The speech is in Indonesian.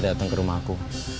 datang ke rumah aku